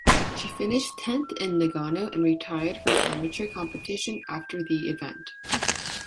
She finished tenth in Nagano and retired from amateur competition after the event.